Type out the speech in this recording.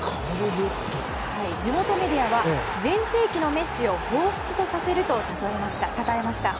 地元メディアは全盛期のメッシをほうふつとさせるとたたえました。